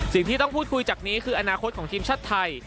สิ่งที่ต้องพูดคุยจากนี้คืออนาคตของทีมชาติไทย